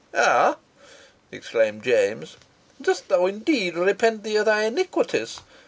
"Ah!" exclaimed James. "Dost thou, indeed, repent thee of thy iniquities?